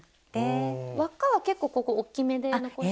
輪っかは結構ここおっきめで残しちゃう？